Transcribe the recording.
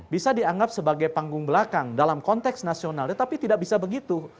bisa dianggap sebagai panggung belakang dalam konteks nasional tetapi tidak bisa begitu